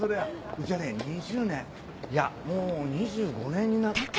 うちはね２０年いやもう２５年になる。